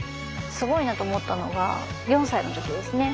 すごいなと思ったのが４歳の時ですね